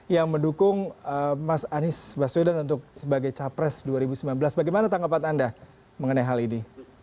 yang mendukung mas anies baswedan untuk sebagai capres dua ribu sembilan belas bagaimana tanggapan anda mengenai hal ini